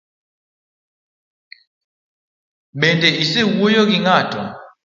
Bende isewuoyo gi ng'ato?